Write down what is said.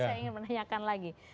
saya ingin menanyakan lagi